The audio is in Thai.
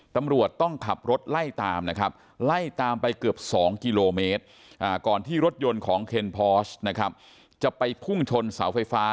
ตำรวจต้องขับรถไล่ตามไปเกือบ๒กิโลเมตรก่อนที่รถยนต์ของเคนพอร์ชจะไปพุ่งชนสาวไฟฟ้า